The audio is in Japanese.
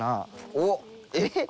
おっえっ！？